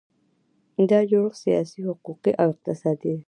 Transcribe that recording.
دا جوړښت سیاسي، حقوقي او اقتصادي وي.